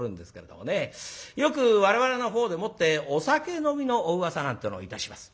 よく我々のほうでもってお酒飲みのお噂なんてのをいたします。